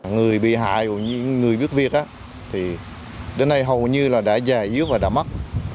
người bị hại người biết việc đến nay hầu như đã già yếu và đã mất